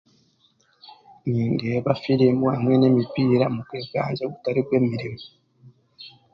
Nindeeba firimu hamwe n'emipiira mubwire bwangye butari bw'emiriimo.